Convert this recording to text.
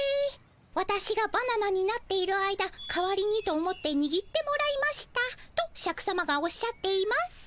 「ワタシがバナナになっている間代わりにと思ってにぎってもらいました」とシャクさまがおっしゃっています。